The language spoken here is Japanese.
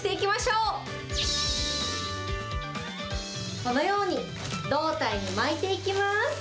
このように、胴体に巻いていきます。